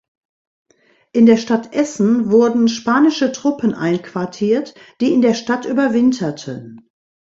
In der Stadt Essen wurden spanische Truppen einquartiert, die in der Stadt überwinterten.